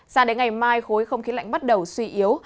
sao đến ngày mai khối không khí lạnh bắt đầu suy yếu